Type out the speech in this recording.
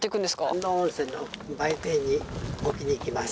観音温泉の売店に置きに行きます。